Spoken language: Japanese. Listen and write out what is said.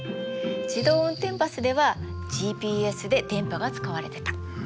自動運転バスではＧＰＳで電波が使われてた。